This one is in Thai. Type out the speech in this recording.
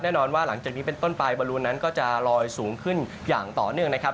แน่นอนว่าหลังจากนี้เป็นต้นไปบรูนนั้นก็จะลอยสูงขึ้นอย่างต่อเนื่องนะครับ